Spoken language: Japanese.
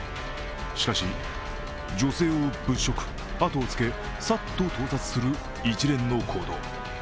しかし、女性を物色、後をつけさっと盗撮する一連の行動。